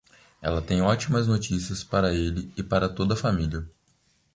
Ela tem ótimas notícias para ele e para toda a família.